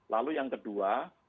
lalu yang kedua